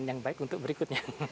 yang baik untuk berikutnya